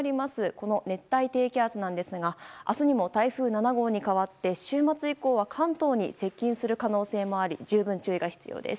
この熱帯低気圧ですが明日にも台風７号に変わって週末以降は関東に接近する可能性もあり十分、注意が必要です。